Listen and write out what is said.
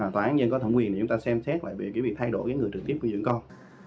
tòa án nhân có thẩm quyền để chúng ta xem xét lại việc thay đổi người trực tiếp nuôi dưỡng con